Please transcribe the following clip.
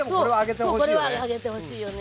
そうこれは揚げてほしいよね。